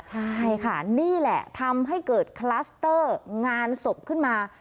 ใช่ค่ะนี่แหละทำให้เกิดคลัสเตอร์งานศพขึ้นมา